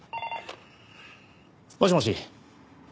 もしもし。